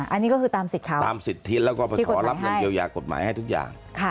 อันนี้ก็คือตามสิทธิ์ตามสิทธิแล้วก็ไปขอรับเงินเยียวยากฎหมายให้ทุกอย่าง